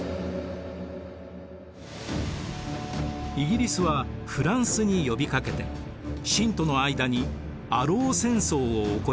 イギリスはフランスに呼びかけて清との間にアロー戦争を起こしました。